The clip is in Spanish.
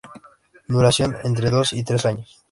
Duración: entre dos y tres años.